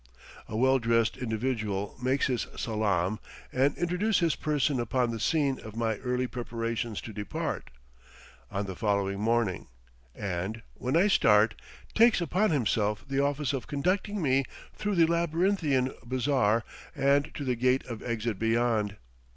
A well dressed individual makes his salaam and intrudes his person upon the scene of my early preparations to depart, on the following morning, and, when I start, takes upon himself the office of conducting me through the labyrinthian bazaar and to the gate of exit beyond.